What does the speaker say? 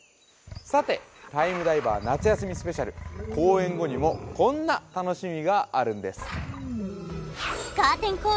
さてタイムダイバー夏休みスペシャル公演後にもこんな楽しみがあるんです